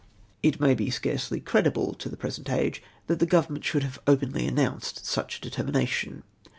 It may be scarcely credible to the present age that the Government should have openly announced such a determination.